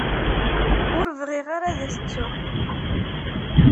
Ur bɣiɣ ara ad t-ttuɣ.